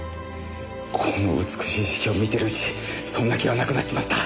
この美しい式を見てるうちそんな気はなくなっちまった。